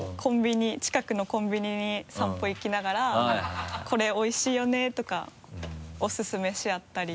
近くのコンビニに散歩行きながら「これおいしいよね」とかおすすめしあったり。